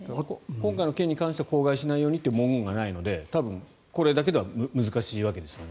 今回の件に関しては口外しないようにって文言がないので多分、これだけでは難しいわけですよね。